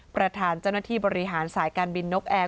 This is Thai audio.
ประธานเจ้าหน้าที่บริหารสายการบินนกแอร์